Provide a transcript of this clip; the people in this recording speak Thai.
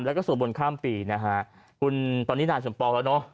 แล้วก็สวดบนข้ามปีนะฮะคุณตอนนี้นานสมปองแล้วเนอะ